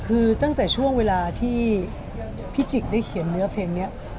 คือตั้งแต่ช่วงเวลาที่พี่จิกได้เขียนเนื้อเพลงนี้